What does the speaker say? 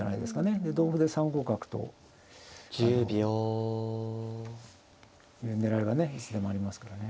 で同歩で３五角という狙いがねいつでもありますからね。